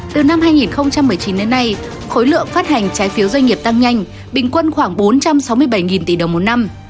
từ năm hai nghìn một mươi chín đến nay khối lượng phát hành trái phiếu doanh nghiệp tăng nhanh bình quân khoảng bốn trăm sáu mươi bảy tỷ đồng một năm